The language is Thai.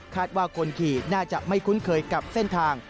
ว่าคนขี่น่าจะไม่คุ้นเคยกับเส้นทาง